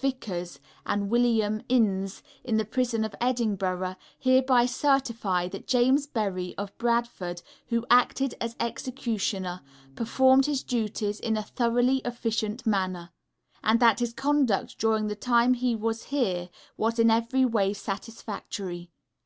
Vickers and William Innes, in the Prison of Edinburgh, hereby certify that James Berry, of Bradford, who acted as Executioner, performed his duties in a thoroughly efficient manner; and that his conduct during the time he was here was in every way satisfactory.